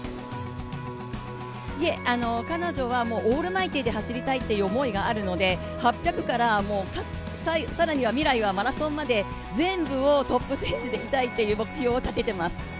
いえ、彼女はオールマイティーで走りたいという思いがあるので８００から更には未来はマラソンまで全部をトップ選手でいきたいという目標を立てています。